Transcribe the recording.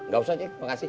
gak usah cik makasih